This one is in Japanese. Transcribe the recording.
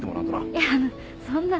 いやあのそんな。